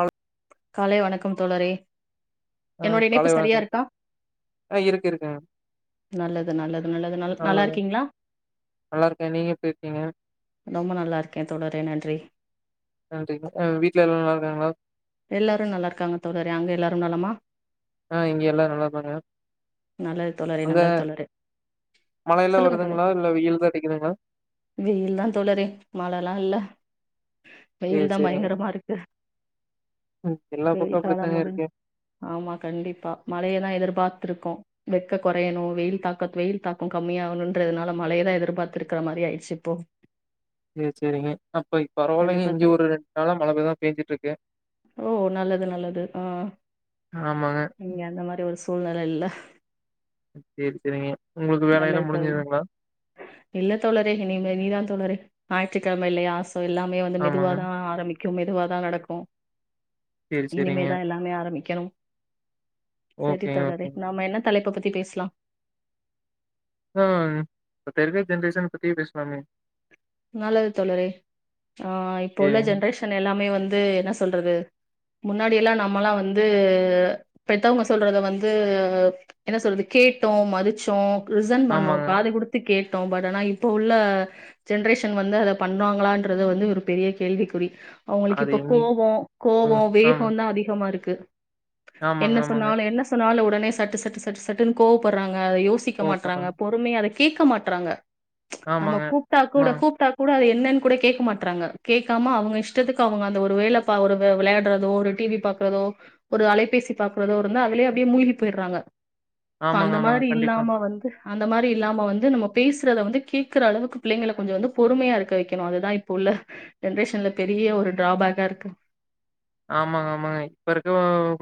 அல் காலை வணக்கம் தோழரே ஆ என்னோட இணைப்பு காலை சரியா வணக்கம் இருக்கா ஆ இருக்கு இருக்குங்க நல்லது நல்லது நல்லது நல் நல்லா நல்லது இருக்கீங்களா நல்லா இருக்க நீங்க எப்டி இருக்கீங்க ரொம்ப நல்லா இருக்கே தோழரே நன்றி நன்றி அ வீட்ல எல்லா நல்லா இருக்காங்களா எல்லாரும் நல்லா இருக்காங்க தோழரே அங்க எல்லாரும் நலமா ஆ இங்க எல்லா நல்லா இருக்காங்க நல்லது தோழரே அங்க நல்லது தோழரே மழையெல்லா சொல்லுங்க தோழர் வருதுங்களா இல்ல வெயில் தா அடிக்குதுங்களா வெயில்தாந் தோழரே மழல்லா இல்ல சேரி வெயில்தா சேரிங்க பயங்குறமா அருக்கு ம் எல்லா வெயில் பக்கம் காலம் அப்டித்தாங்க முடுஞ் இருக்கு ஆமா கண்டிப்பா மழை எல்லா எதுர் பாக் ட்ருக்கோ வெக்க கொறையணு வெயில் தாக்கத் வெயில் தாக்கோ கம்மி ஆகணுன்றதுனால மழையதா எதுர் பாத்துருக்குற மாரி ஆயிருச்சு இப்போ சேர் சேரிங்க அப்பை பரவால்லைங்க கண்டிப்பா இங்கு தோழர் ஒரு ரெண் நாளா மழயேதா பேஞ்சுட்ருக்கு ஓ நல்லது நல்லது ஆ ஆமாங்க நீங்க அந்த மாரி ஒர் சூழ்நெலைல்ல சேரி சேரிங்க உங்களுக்கு வேலையெல்லா நல்லது தோழரே முடிஞ்சதுங்களா இல்ல தோழரே இனிமே நீதா தோழரே ஞாற்றுக்கிழமை இல்லையாஸ் சோ எல்லாமே வந்து ஆமாங்க மெதுவாதா ஆரம்பிக் க்கு மெதுவாதா நடக்கு சேரி சேரிங்க இனிமேதா எல்லாமே ஆரம்பிக்கணும் சேரி ஓகேங்க தோழரே ஓகேங்க நாம என்ன தலைப்பு பத் த்தி பேஸ்லா ஆ இப்ப [unintelligible] பத்தி பேஸ்லாமே நல்லது தோழரே ஆ இப்ப உள்ள சேரிங்க ஜென்ரேஷன் எல்லாமே வந் ந்து என்ன சொல்றது முன்னாடி எல்லாம் நம்மல்லா வந்து பெத்தவங்க சொல்றத வந்து என்ன சொல்றது கேட்டோ மதுச்சோ ரிசன் பண்ணோ ஆமாங்க காது குடுத்து கேட் டோ பட் ஆனா இப்ப உள்ள ஜென்ரேஷன் வந்து அத பண்ணுவாங்களான்றது வந்து ஒரு பெரிய கேள்விக்குறி அவங்களுக்கு அது இப்ப எங்கயு கோவோ கோவோ ம் ஆமா வேகோந்தா அதிகமா இருக் த்து ஆமாங்க என்ன ஆமாங்க சொன்னாலு என்ன சொன்னாலு உடன் மே சட்டு சட்டு சட்டு சட்டுன் கோவப்பர்றாங் ங்க அதை யோசிக்க மாட்றாங்க கோவப்பட்றாங்க பொறுமையே அதைக் கேக்க மாட்டறாங்க ஆமாங்க கூட ஆமாங்க. கூப்டாக் கூடு தா அது என்னன் கூட கேக்க மாட்டறாங்க கேக்காம அவங்க இஷ்டத்துக்கு அவங்க அந்த ஒரு வேல நா ஒரு வெ வெளையாடுறதோ ஒரு டிவி பாக்குறதோ ஒரு அலைபேசி பாக்குறதோ இருந்தா அதுலயே அப்டியே மூழ்கி போயிடுறாங்க சோ ஆமாங்க, அந்த ஆமாங்க. மாரி கண்டிப்பா. இல்லாம வந்து அந்த மாரி இல்லாம வந்து நம்ம பேசுறத வந்து கேக்குற அளவுக்குப் புள்ளைங்கள கொஞ்சோ வந்து பொறுமையா இருக்க வெக்கணு அதுதா இப்ப உள்ள ஜென்ரேஷன்ல பெரிய ஒரு டிராபேக்கா இருக்கு ஆமாங்க ஆமாங்க இப்ப இருக்க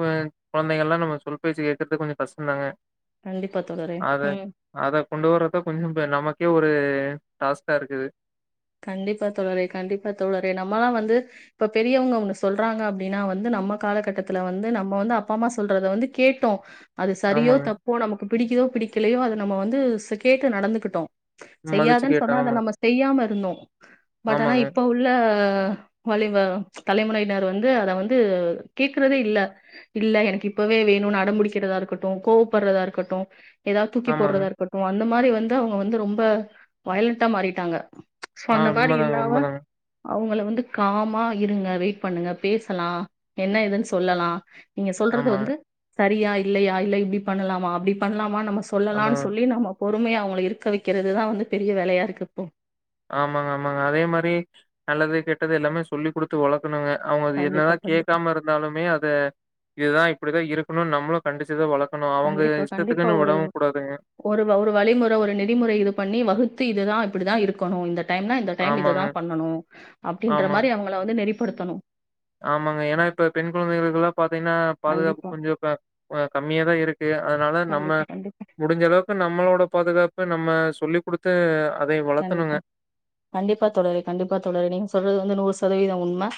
கொழந் கொழந்தைங்கள் எல்லா நம்ம சொல் பேச்சு கேக்குறது கொஞ்சோ கஷ்டந்தாங்க கண்டிப்பா தோழரே அத ம் அத கொண்டு வர்றதா கொஞ்சம் இப்ப நமக்கே ஒரு டாஸ்க்கா இருக்குது கண்டிப்பா தோழரே கண்டிப்பா தோழரே நம்மல்லா வந்து இப்ப பெரியவங்க ஒண்ணு சொல்றாங்க அப்டின்னா வந்து நம்ம காலகட்டத்துல வந்து நம்ம வந்து அப்பா அம்மா சொல்றத வந்து கேட்டோ அது சரியோ ஆமாங்க. தப்போ நமக்கு பிடிக்குதோ பிடிக்கலையோ அத நம்ம வந்து சோ கேட்டு நடந்துகிட்டோ மதிச்சு செய்யாதன் சொன்னா கேட்டோம். அத ஆமாங்க. நம்ம செய்யாம இருந்தோ பட் ஆனா ஆமாங்க. இப்ப உள்ள அ வலைவா தலை முறையினர் வந்து அத வந்து கேக்குறதே இல்ல இல்ல எனக்கு இப்பவே வேணுன் அடம்புடிக்கிறதா இருக்கட்டு கோவப்படுறதா இருக்கட்டு எதாவது தூக்கி ஆமாங்க. போடுறதா இருக்கட்டு அந் அந்த மாரி வந்து அவங்க வந்து ரொம்ப வயிலன்ட்டா மாறிட்டாங்க சோ ஆ அந்த மாரி உண்மதாங்க, இல்லாம உண்மதாங்க. அவங்கள வந்து காமா இருங்க வெயிட் பண்ணுங்க பேசலா என்ன இதுன் சொல்லலா நீங்க சொல்றது ஆமாங்க. வந்து சரியா இல்லையா இல்ல இப்டி பண்ணலாமா அப்டி பண்ணலாமா நம்ம சொல்லாம்னு அதான். சொல்லி நம்ம பொறுமையா அவங்கள இருக்க வக்கிறதுதா வந்து பெரிய வேலையா இருக்கு இப்போ ஆமாங்க ஆமாங்க அதே மாரி நல்லது கெட்டது எல்லாமே சொல்லி குடுத்து வளக்கணுங்க அவங்க அது கண்டிப்பா என்னதா கண்டிப்பா கேக்காம இருந்தாலுமே அத இதுதா இப்டிதா இருக் உ நம்ளு கன்டிச்சுதா வளங் கண்டிப்பா கண்டிப்பா ஒரு ஒரு ஒரு வழிமுற ஒரு நெறிமுறை இது பண்ணி வகுத்து இதுதா இப்படித்தா இருக்கணு இந்த டைம்னா இந்த டைம் இது ஆமாங்க. தா பண்ணனு அப்டின்ற ஆமா. மாரி அவங்கள வந்து நெரி படுத்தணு ஆமாங்க ஏன்னா இப்ப பெண் குழந்தைகளுக்குலா பாத்தீங்னா பாதுகாப்பு கண்டிப்பா கொஞ்சோ ப கம்மியா தா இருக்கு அதனால நம்ம கண்டிப்பா கண்டிப்பா முடிஞ்சளவுக்கு நம்மளோட பாதுகாப் இப்ப நம்ம சொல்லி குடுத்து அதை வளர்த்தணுங்க. கண்டிப்பா கண்டிப்பா தோழரே கண்டிப்பா தோழரே நீங்க சொல்றது வந்து நூறு ச சதவீதோ உண்ம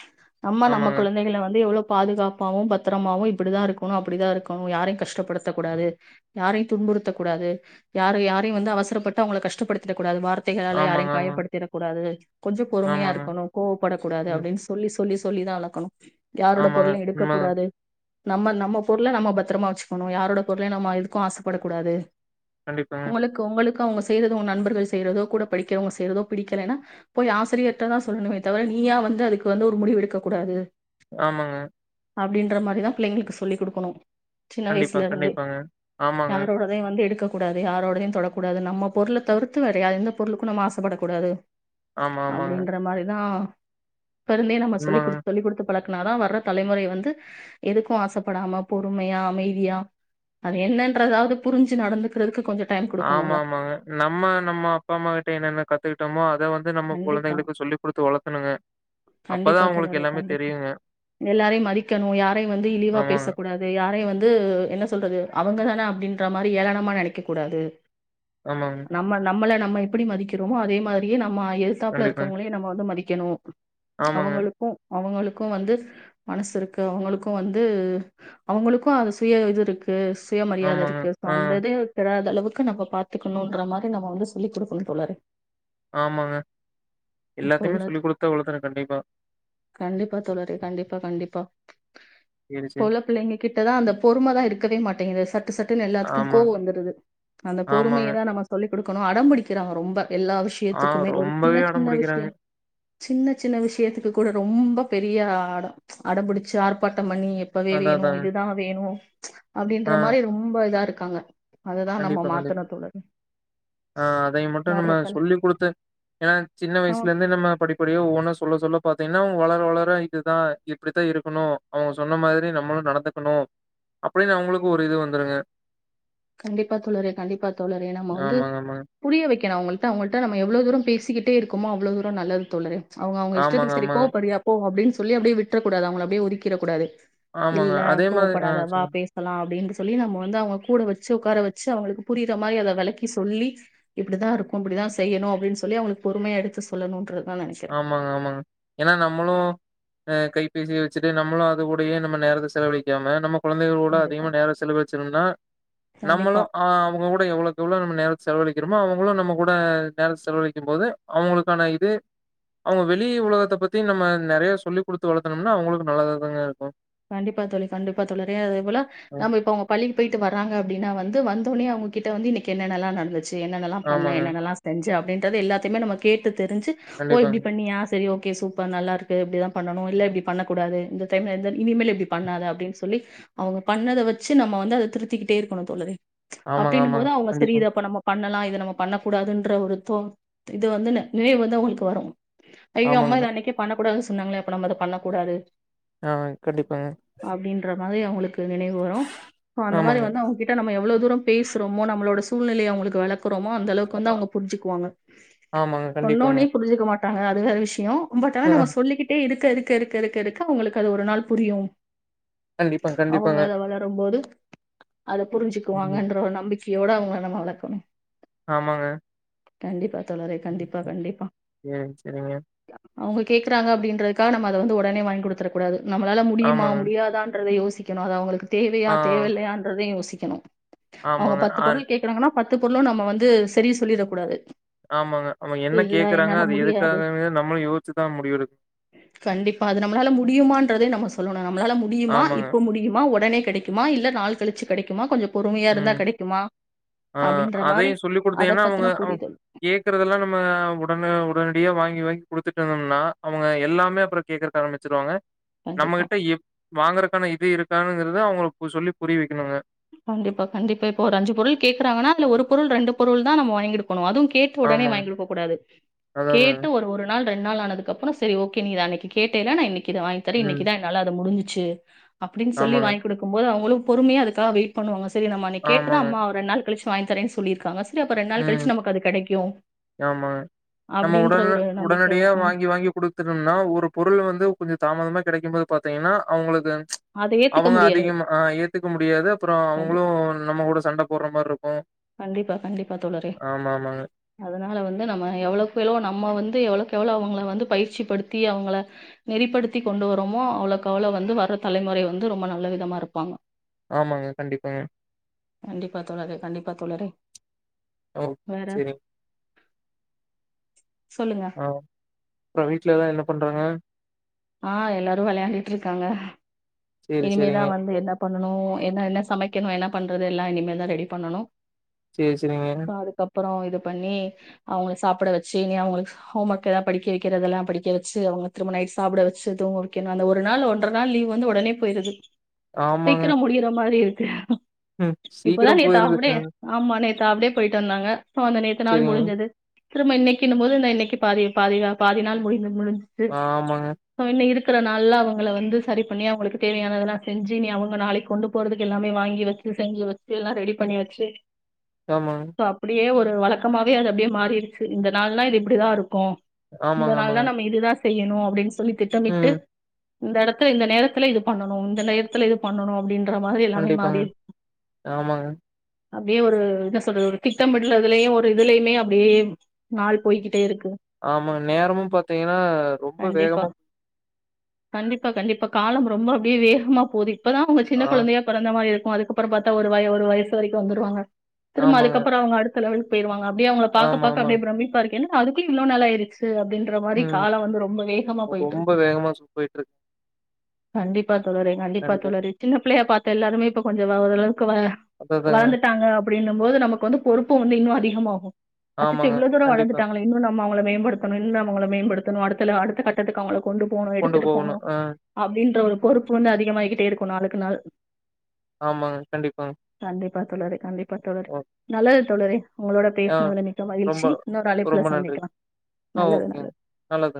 நம்ம நம்ம ஆமாங்க. குழந்தைகள வந்து எவ்ளோ பாதுகாப்பாவு பத்திரமாவு இப்படிதா இருக்கணு அப்படிதா இருக்கணு யாரையு கஷ்டப்படுத்தக் கூடாது யாரையு துன்புறுத்தகூடாது யாரு யாரையு வந்து அவசரப்பட்டு அவங்கள கஷ்டப்படுத்திடகூடாது வார த்தைகளால ஆமாங்க, யாரையு ஆமாங்க. காயப்படுத்திட கூடாது கொஞ்ச பொறுமையா ஆமாங்க. இருக்கணு கோவப்பட கூடாது ம். அப்டின்னு சொல்லி சொ சொல்லி சொல்லி தா வளக்கணு யாரோட ஆமாங்க. பொருளயு எடுக்க உண்மதாங்க. கூடாது நம்ம நம்ம பொருள நம்ம பத்திரமா வச்சுக்கணு யாரோட பொருலயு நம்ம எதுக்கு ஆசப்பட கூடாது கண்டிப்பாங்க. உங்களுக்கு உங்களுக் க அவங்க செய்றதோ உங்க நண்பர்கள் செய்றதோ கூட படிக்கிறவங்க செய்றதோ பிடிக்கலன்னா போய் ஆசிரியர்ட தா சொல்லணுமே தவிர நீயா வந்து அதுக்கு வந்து ஒரு முடிவு எடுக்க கூடாது ஆமாங்க அப்டின்ற மாரி தா பிள்ளைங்களுக்கு சொல்லி குடுக்கணு சின்ன கண்டிப்பா, வயசுல இருந்தே கண்டிப்பாங்க. ஆமாங்க. யாரோடதே வந்து எடுக்க கூடாது யாரோடதயு தொடக்கூடாது நம்ம பொருள தவிர்த்து வேற எந்த பொருளுக்கு நம்ம ஆசப்படக்கூடாது ஆமா, ஆமாங்க. அப்டின்ற மாரிதா இப்ப இருந்தே நம்ம சொல்லி உண்மதாங்க. குடுத்து சொல்லி குடுத்து பழக்குனாதா வர்ற தலைமுறை வந்து எதுக்கு ஆசப்படாம பொறுமையா அமைதியா அது என்னன்றதாவது புரிஞ்சு நடந்துக்கிறதுக்கு கொஞ்ச டைம் ஆமா குடுக்கணுல்ல ஆமாங்க நம்ம நம்மோ அப்பா அம்மா கிட்ட என்னென்ன கத்துக்கிட்டோமோ அ கண்டிப்பா கண்டிப்பா அப்பதான் அவங்களுக்கு தோழரே எல்லாமே கண்டிப்பா தெரியுங்க. எல்லாரையு மதிக்கணு யாரையு வந்து இழிவா ஆமாங்க. பேசக் கூடாது யாரையு வந் து என்ன சொல்றது அவுங்கதான அப்டின்ற மாரி ஏளனமா நெனைக்கக் கூடாது ஆமாங்க. நம்ம நம்மள நம்ம எப்பிடி மதிக்கிறோமோ அதே மாரியே நம்ம எதுத்தாப்ல கண்டிப்பாங்க. இருக்கவங்களயு நம்ம வந்து மதி க்கணு ஆமாங்க. அவங்களுக்கு அவங்களுக் கு வந்து மனசு இருக்கு அவங்களுக்கு வந்து அவங்களுக்கு அது சுய இது இருக்கு சுய மரியாத ஆமாங்க. இருக்கு சோ ஆ, அந்த இது தெரியா த அளவுக்கு நம்ம பாத்துக்கணுன்ற மாரி நம்ம வந்து சொல்லி குடுக்கணு தோழரே ஆமாங்க இப்ப எல்லாத்தையுமே உள்ளது சொல்லிக் குடுத்துதா வளத்தணு கண்டிப்பா சரி, இப்போ சரி. உள்ள பிள்ளைங்க கிட்டதா அந்த பொறுமதா இருக்கவே மாட்டேங்குதே சட்டு சட்டுன்னு எல்லாத்துக்கு ஆமாங்க, கோவோ வந்துருது அந்த ஆமாங்க. பொறுமையதா நம்ம சொல்லி குடுக்கணு அடம் புடிக்கிறாங்க ரொம்ப எல்லா விஷய ஆ த்துக்குமே ஒரு சின்ன ரொம்பவே அடம் சின்ன விஷயோ பிடிக்கிறாங்க. சின்ன சின்ன விஷயத்துக் கு கூட ரொம்ப பெரிய ஆ அடோ அடம்புடிச்சு ஆர்ப்பாட் டம் பண்ணி இப்பவே அதான், வேணு அதாங்க. இதுதா வேணு [inaudible] அப்டின்ற ஆ, மாரி ரொம்ப இதா இரு க்காங்க கண்டிப்பா கண்டிப்பா ஆ அதய மட்டு வர்ற நம்ம கால் சொல்லி கு டுத்து ஏன்னா சின்ன ஆமா வயசுல இருந்த நம்ம படிப்படியா ஒவ்வொன்னா சொல்ல சொல்ல பாத்தீங்ன்னா அவங்க வளர வளர இதுதா இப்பிடித்தா இருக்கணு அவங்க சொன்ன மாதிரி நம்மளு நடந்துக்கணு அப்பிடின்னு அவங்களுக்கு ஒரு இது வந்துருங்க கண்டிப்பா தோழரே கண்டிப்பா தோழரே நம்ம வந்து ஆமாங்க, ஆமாங்க. புரிய வைக் கணு அவங்கள்ட்ட அவங்கள்ட்ட நம்ம எவ்ளோ தூரோ பேசிக்கிட்டே இருக்கமோ அவ்ளோ தூரோ நல்லது தோழரே அவங்க அவங்க ஆமாங்க, இஷ்டத்துக்கு சரி ஆமாங்க. கோவப்படறியா போ அப்டின் சொல்லி அப்டியே வி்ட்றக்கூடாது அவங்கள அப்டியே ஒதுக்கிற கூடாது ஆமாங்க. இல்ல அதே மாரி ஆ கோவப்படாத வா சொல்லுங்க. பேசலா அப்டின்டு சொல்லி நம்ம வந்து அவங்க கூடு வச்சு வச்ச உக்கார வச்சு அவங்களுக்கு புரியிகிற மாதிரி அதை விளக்கி சொல்லி இப்படிதா இருக்கு இப்படிதா செய்யணு அப்படின்னு சொல்லி அவங்களுக்கு பொறுமையா எடுத்து சொல்லணும்ன்றது ஆமாங்க ஆமாங்க ஏன்னா நம்மளு அ கைபேசிய வச்சிட்டு நம்மளு அது கூடயே நம நேரத்த செலவழிக்காம நம்ம கொழந்தைகளோட கண்டிப்பா அதிகமா நேரோ செலவச்சனா நம்மளு கண்டிப்பா ஆ அவங்கூட எவ்வளவுக் எவளவோ நம்ம நேரத்த செலவழிக்கிறமோ அவங்களு நம்ம கூட நேரத்த செலவழிக்கு போது அவங்களுக்கான இது அவங்க வெளி உலகத்த பத்தி நம்ம நிறைய சொல்லிக் கொடுத்து வளர்த்தனோம்னா அவங்களுக்கு நல்லதா தங்க இருக்கு கண்டிப்பா தோழரே கண்டிப்பா தோழரே அதே போல ம் நம்ம இப்ப அவங்க பள்ளிக்கு போயிட்டு வராறங்க அப்டின்னா வந்து வந்தோடனே அவங்ககிட்ட வந்து இனைக்கு என்னெனலா நடந்துச்சு என்னெல்லா பண்ண ஆமாங்க என்னெல்லா செஞ்ச அப்படின்னு அதாது எல்லத்தமே நம கேட்டு தெரிஞ்சு ஓ இப்டி கண்டிப்பாங்க பண்ணியா சரி ஓகே ஓகே சூப்பர் நல்லா இருக்கு அப்டிதா பண்ணணு இல்ல இப்டி பண்ணக் கூடாது இந்த டைம்ல எந்த இனிமேல் இப்டி பண்ணாத அப்டின்னு சொல்லி அவங்க பண்ணத வச்சு நம்ம வந்து அத திருத்திக்கிட்டே இருக்கணு தோழரே ஆமாங்க அப்டின்ம் போது ஆமாங்க அவங்க சரி கண்டிப்பா இதப்ப நம்ம பண்ணலா இத நம்ம பண்ணக்கூடாதுன்ற ஒரு தோ இது வந்து நிறைவு வந்து அவங்களுக்கு வரு அயோ அம்மா ஆமாங்க இத அன்னக்கே பண்ண கூடாதுசொ சொன்னாங்களா இப்ப நம்ம அத பண்ண கூடாது ஆ கண்டிப்பாங்க மாதிரி அவங்களுக்கு நினைவு வரு ஹ அந்த மாதிரி ஆமாங்க வந்து அவங்ககிட்ட நம்ப அவ்வளவு தூரோ பேசுறோமோ நம்மளோட சூழ்நிலைய அவங்களுக்கு விளக் குரமோ அந்த அளவுக்கு வந்து ஆ அவங்க புரிஞ்சுக்குவாங்க ஆமாங்க கண்டிப்பாங்க சொன்னோடனே புரிஞ்சுக்க மாட் அதாங்க அது வேற விஷயோ ஒன்பது தட ஆ நம்ம சொல்லிக்கிட்டே இரு இருக்க இருக்க இருக்க இருக்க அங்களுக்கு அது ஒரு நாள் புரியு கண்டிப்பா அவங்க கண்டிப்பாங்க அத வளரு போது அத ம் புரிஞ்சுக்குவாங்கன்ற ஒரு நம்பிக்க பியோட அவங்கள நம்ம வளர்க்கணு ஆமாங்க கண்டிப்பா தோழரே ம் கண்டிப்பா ம் கண்டிப்பா சேரிங்க சேரிங்க அ அவங்க கேக்குறாங்க அப்டின்றதுக்காக நம்ம அத வந்து ஒடனே வாங்கி குடுத்தர கூடாது நம்மளால முடியுமா ஆமாங்க முடியாதான்றத யோஸ் சிக்கணு அது அவங்களுக்கு தேவையா ஆ தேவையில்லையான்றதையு யோசி கெணு அவங்க ஆமாங்க. பத்து ஆன் பொருள் கேக்குறாங்கன்னா பத்து பொருளு நம்ம வந்து செரி சொல்லிரக் கூடாது ஆமாங்க அவ என்ன கேக்குறாங்க அது முடியாது எதுக்காகன்னு நம்மளு யோசுச்சுதா முடிவெடுக்கு ன்றதெ நம்ம சொல்லணு நம்மளால முடியுமா இப்போ முடியுமா ஒடனே கொடைக்குமா இல்ல நாள் கழுச்சு கெடைக்குமா கொஞ்சோ பொறுமையா இருந்தா ம் கெடைக்குமா ஆ அப்டின்ற மாரி அதையு சொல்லி அத குடுத்தீங்கன்னா அவங்க பத்தின அவ் புரிதல் கேக்குறதெல்லா நம்ம உடனே உடனடியா வாங்கி வாங்கி குடுத்துட்டு வந்தோம்னா அவங்க எல்லாமே அப்புறோ கேக்குறக்கு ஆரம்பிச்சுருவாங்க கண்டிப்பா நம்மகிட்ட எஎப் வாங்குறக்கான இது இருக் காணுங்கறத அவங்களுக்கு சொல்லி புரிய வெக்கணுங்க கண்டிப்பா கண்டிப்பா ஒரு அஞ்சு பொருள் கேக்குறாங்கன்னா இல்ல ஒரு பொருள் ரெண்டு பொருள் தா நம்ம வாங்கிடு பனு அதும் கேட்ட ஒடனே ஆமாங்க. வாங்கி குடுக்கக் கூடாது அதான், அதாங்க. கேட்டு ஒரு ஒரு நாள் ரெண் நாள் ஆனதுக்கப்புறோ சேரி ஓகே நீ அன்னைக்கு கேட்டைல நா இன்னிக் க்கி இது வாங்கி தார ம். இன்னிக்குதா என்னால அத முடுஞ்சுச் ச்சு அப்டின் சொல்லி ஆமாங்க, வாங்கி குடுக்கும் போது அவங்களு பொறுமையா அதுக்காக வெய்ட் பண்ணுவாங்கஸ் சேரி நம்ம அன்னைக் கேட்டத ஆமாங்க. அம்மா அவ ரெண்டு நாள் கழுச்சு வாங்கி தரேன் சொல்லிருக்காங்கஸ் ம் ஆமாங்க நம்ம அப்டின்ற உடனே ஒரு நம்பிக்க உடனடியா வரு ம் வாங்கி வாங்கி குடுத்துட்டம்னா ஒரு பொருள் வந்து கொஞ்சோ தாமதமா கெடைக்கும்போது பாத்தீங்கன்னா அவங்களுக்கு அத ஏத்துக்க அவுங்க முடியாது அதிகமா அ ஏத்துக்க முடியாது அப்புறோ அவங்களு கண்டிப்பா நம்ம கூட சண்டப் போடுற மார் இருக்கு கண்டிப்பா கண்டிப்பா பா தோழறே ஆமா ஆமாங்க அதனால வந்து நம்ம எவ்வளவுக்எவ்ளவோ நம்ம வந்து எவ்வளோவுக்கு எவ்வளோவ் அவங்கள வந்து பயிற்சிப்படுத்தி அவங்கள நெறிப்படுத்தி கொண்டு வரோமோ அவ்வளவுக்கு அவ்வளவு வந்து வர்ற தலைமுறை வந்து ரொம்ப நல்ல விதமா இருப்பாங்க ஆமாங்க கண்டிப்பாங்க கண்டிப்பா தோழறே கண்டிப்பா பாத் தோழறே ஓ சேரி சொல்லுங்க ஆ அப்ற வீட்லல்லா என்ன பண்றாங்க ஆ எல்லாரு வெளயாண்டுட்டு இருக்காங்க சேரி இனிமேதா சேரிங்க வந்து என்னா பண்ணனு என்ன என்னா சமைக்கனு என்னா பண்றது எல்லா இனிமேல் தா ரெடி பண்ணனு சேரி சேரிங்க அதுக்கப்புற இது பண்ணி அவுங்கள சாப்ட வச்சு இனி அவுங்களுக்கு கோம்வொர்க் எதா படிக்க வக்கிறதெல்லா படிக்க வச்சு அவுங்க திரும்ப நைட் சாப்ட வச்சு துங்க வக்கனு அது ஒரு நாள் ஒன்றரை நாள் லீவ் வந்து ஒடனே போயிருது ஆமாங்க சீக்கிரம் முடியிற மாதிரி இரு [unintelligible] ம் இப்பதா சீக்கிரோ நேத்து போயிருது ஆஃப்டே ம் ஆமா நேத்து ஆஃப்டே போயிட்டு வந்தாங்க சோ அந்த நேத்த நாள் சேரிங்க முடிஞ்சது திரும்ப இன்னைக்குன்னும்போது இந்த இன்னைக்கு பாதி பாதி பாதி நாள் முடி மு இது ஆமாங்க சோ இன்ன இருக்கு இருக்குற நாள்ல அவுங்கள வந்து சரி பண்ணி அவுங்களுக்கு தேவையானதெல்லா செஞ்சு நீ அவுங்க நாளைக்கு கொண்டு போறதுக்கு எல்லாமே வாங்கி வச்சு செஞ்சு வச்சு எல்லா ரெடி பண்ணி வச்சு ஆமாங்க சோ அப்புடியே ஒரு இது வழக்கமாவே அது அப்டியே மாறிடுச்சு இந்த நாள்ல்லா இது இப்டிதா இருக்கு இந்த ஆமாங்க நாள் தா ஆமாங்க நம்ம இதுதா செய்யணு அப்டின் சொ சொல்லி திட்டமிட்டு ம் இந்த எடத்துல இந்த நேரத்துல இது பண்ணனு இந்த நேரத்ல இது பண்ணனு அப்டின் மாதிரி எல்லாமே கண்டிப்பாங்க மாறிரு ஆமாங்க அப்டியே ஒரு என்ன சொல்றது ஒரு திட்டமிடுறதுலயு ஒரு இதுலயுமே அப்டியே நாள் போய்கிட்டே இருக்கு ஆமா நேரமு பாத்தீங்கன்னா ரொம்ப வேகமா ப்பா கண்டிப்பா காலமு ரொம்ப அப்பிடியே வேகமா போது இப்பதா அவங்க சின்ன ஆ கொழந்தையா பிறந்த மாரி இருக் போ அதுக்கப்புறோ பாத்தா ஒரு வாய ஒரு வயசு வரைக்கு வந்துருவாங்க திரும்ப ஆமாங்க அதுக்கப்புறோ அவுங்க அடுத் த்த லெவலுக்கு போயிருவாங்க ப்பிடியே அவுங்கள பாக்க ஆமா பாக்க அப்பிடியே ஆமாங்க பிரமிப்பா இருக்கே அதுக்குலி இவ்ளோ நாலாயிரிச்சி து அப்பிடின்ற மாரி ம் கால வந்து ரொம்ப வேகமா போயிட்டு ரொம்ப இருக்கு வேகமா போயிட்டு இருக்கு கண்டிப் ப்பா தோழரே கண்டிப்பா கண்டிப் தோழரே சின்ன பிள்ளையா பாத் ட்ட எல்லாருமே இப்ப கொஞ்ச வவதெல்லா க்குவ அதா அதாங்க வளந்துட்டாங்க அப்பிடின்னு போது நமக்கு வந்து பொறுப்பு வந்து இன்னு அதிகமாகு அச்சச்சோ ஆமாங்க இவ்ளோ தூரோ கண்டிப்பா வளந்துட்டாங்களே இன்னு நம்ம மேம்படுத்தனு இன்னு அவுங்கள மேம்படுத்தனு அடுத்தத்ல அடுத்த கட்டத்துக்கு அவுங்கள கொண்டு போணு கொண்டு எடுத்துட்டு போணு போகணு ஆ அப்பிடின்ற ஒரு பொறுப்பு வந்து அதிகமாகிட்டே இருக்கு நாளுக்கு நாள் ஆமாங்க கண்டிப்பாங் போலா தோழரே கண்டிப் ப்பா தோழரே நல்ல தோழரே உங்களோட ஆ பேசுனதுல மிக்க ரொம்ப மகிழ்ச்சி இன்னொரு அழைப்புல ரொம்ப நன்றிங்க. சந்திக்கலா ஆ நல்லது ஓகேங்க. நல்லது நல்லது.